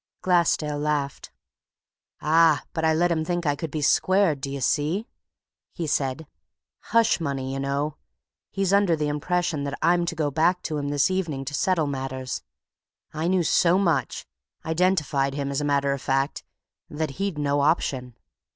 Glassdale laughed. "Ah, but I let him think I could be squared, do you see?" he said. "Hush money, you know. He's under the impression that I'm to go back to him this evening to settle matters. I knew so much identified him, as a matter of fact that he'd no option.